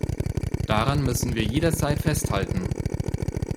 Daran müssen wir jederzeit festhalten.